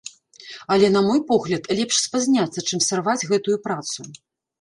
Але, на мой погляд, лепш спазняцца, чым сарваць гэтую працу.